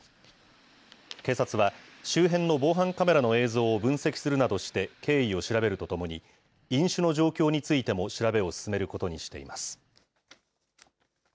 警察は、周辺の防犯カメラの映像を分析するなどして、経緯を調べるとともに、飲酒の状況についても調べを進めることにしています。